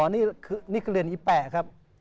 นี่นี่คือเหรียญอีแปะครับ